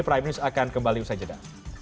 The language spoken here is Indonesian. prime news akan kembali usai jeda